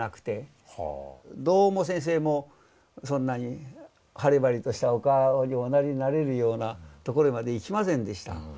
どうも先生もそんなに晴れ晴れとしたお顔におなりになれるようなところまでいきませんでした。